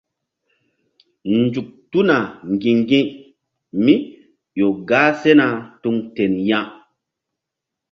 Nzuk tuna ŋgi̧ŋgi̧mí ƴo gah sena tuŋ ten ya.